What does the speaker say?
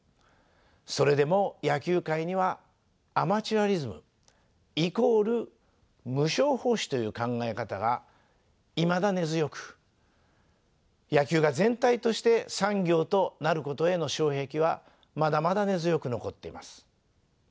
それでも野球界にはアマチュアリズム＝無償奉仕という考え方がいまだ根強く野球が全体として産業となることへの障壁はまだまだ根強く残っています。